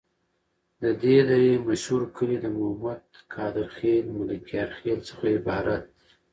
د دي درې مشهور کلي د مومد، قادر خیل، ملکیار خیل څخه عبارت دي.